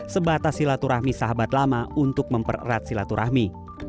sebatas silaturahmi sahabat lama untuk mempererat silaturahmi